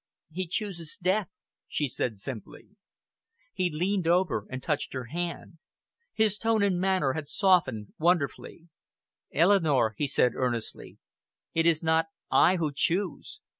"He chooses death!" she said simply. He leaned over and touched her hand. His tone and manner had softened wonderfully. "Eleanor," he said earnestly, "it is not I who choose.